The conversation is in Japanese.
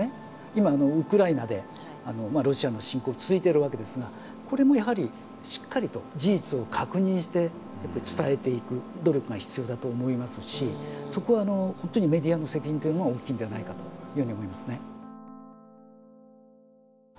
今ウクライナでロシアの侵攻続いてるわけですがこれもやはりしっかりと事実を確認して伝えていく努力が必要だと思いますしそこは本当にメディアの責任というものが大きいんじゃないかというふうに思いますね。